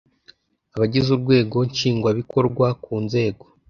abagize urwego nshingwabikorwa ku nzego